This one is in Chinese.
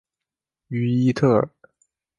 于伊特尔。